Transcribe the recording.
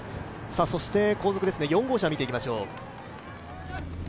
後続、４号車見ていきましょう。